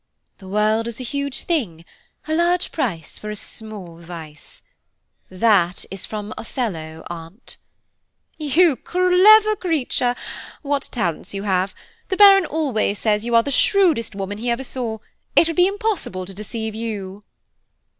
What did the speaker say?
"'The world is a huge thing, a large price for a small vice.' That is from Othello, Aunt." "You clever creature, what talents you have! The Baron always says you are the shrewdest woman he ever saw–it would be impossible to deceive you."